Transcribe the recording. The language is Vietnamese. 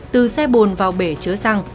từ xe bồn vào bể chở xăng